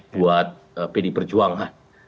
buat pdi perjuangan